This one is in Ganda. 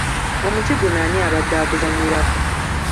Omuti guno ani abadde aguzannyirako?